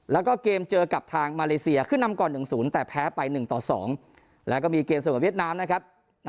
แล้วก็เกมเจอกับทางมาเลเซียคือนำก่อนหนึ่งสูญแต่แพ้ไป๑๒และก็มีเกมเสมอกเวียดนามนั่นครับ